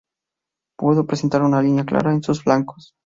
Puede presentar una línea clara en sus flancos.